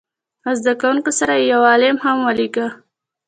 له زده کوونکو سره یې یو عالم هم ولېږه.